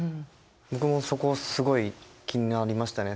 僕もそこすごい気になりましたね。